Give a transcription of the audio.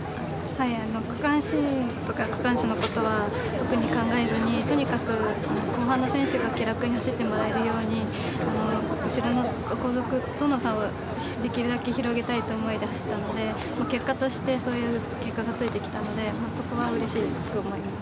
区間新とか区間賞のことは特に考えずとにかく後半の選手が気楽に走ってもらえるように、後続との差をできるだけ広げたいという思いで走ったので、結果としてそういう結果がついてきたのでそこはうれしく思っています。